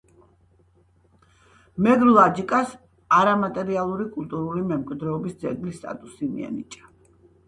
მეგრულ აჯიკას არამატერიალური კულტურული მემკვიდრეობის ძეგლის სტატუსი მიენიჭა.